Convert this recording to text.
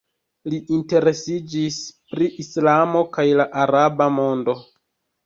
Li interesiĝis pri Islamo kaj la araba mondo.